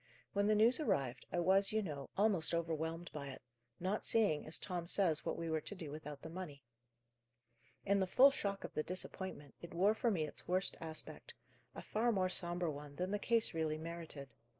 "When the news arrived, I was, you know, almost overwhelmed by it; not seeing, as Tom says, what we were to do without the money. In the full shock of the disappointment, it wore for me its worst aspect; a far more sombre one than the case really merited.